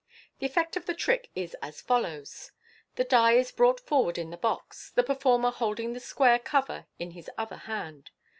The effect of the trick is as follows :— The die is brought forward in the box, the performer holding the square cover in his other hand.